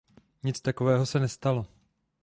Nic takového se nestalo.